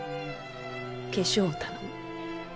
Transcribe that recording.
化粧を頼む。